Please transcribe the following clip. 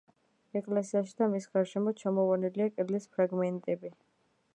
ეკლესიაში და მის გარშემო ჩამოვარდნილია კედლის ფრაგმენტები.